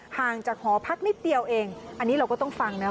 ห่างจากหอพักนิดเดียวเองอันนี้เราก็ต้องฟังนะ